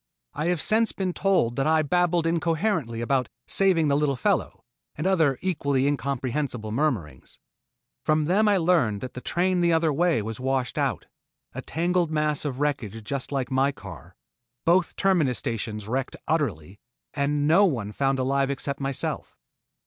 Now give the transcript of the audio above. I have since been told that I babbled incoherently about "saving the little fellow" and other equally incomprehensible murmurings. From them I learned that the train the other way was washed out, a tangled mass of wreckage just like my car, both terminus stations wrecked utterly, and no one found alive except myself.